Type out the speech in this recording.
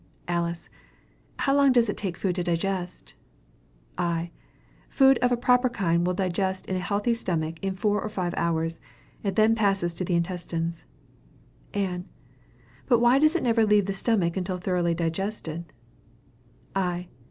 Alice. How long does it take the food to digest? I. Food of a proper kind will digest in a healthy stomach, in four or five hours. It then passes to the intestines. Ann. But why does it never leave the stomach until thoroughly digested?